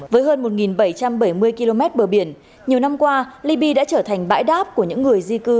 với hơn một bảy trăm bảy mươi km bờ biển nhiều năm qua liby đã trở thành bãi đáp của những người di cư